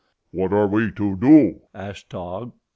"What are we to do?" asked Taug.